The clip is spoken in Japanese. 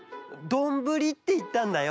「どんぶり」っていったんだよ。